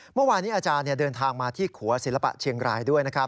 เมื่อวานนี้อาจารย์เดินทางมาที่ขัวศิลปะเชียงรายด้วยนะครับ